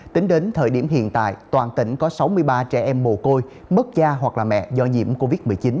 tính đến thời điểm hiện tại toàn tỉnh có sáu mươi ba trẻ em mồ côi mất cha hoặc là mẹ do nhiễm covid một mươi chín